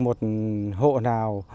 một hộ nào